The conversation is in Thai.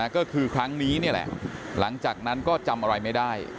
ก็คือครั้งนี้นี่แหละหลังจากนั้นก็จำอะไรไม่ได้